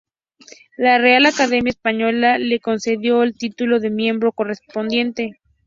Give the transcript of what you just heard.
La Real Academia Española le concedió el título de miembro correspondiente.